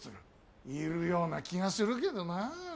いるような気がするけどなあ。